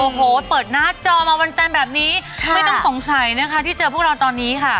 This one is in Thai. โอ้โหเปิดหน้าจอมาวันจันทร์แบบนี้ไม่ต้องสงสัยนะคะที่เจอพวกเราตอนนี้ค่ะ